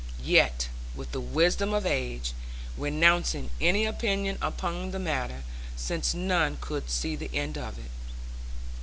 Yet, with the wisdom of age, renouncing any opinion upon the matter; since none could see the end of it.